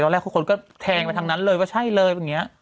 แรกทุกคนก็แทงไปทางนั้นเลยว่าใช่เลยอย่างนี้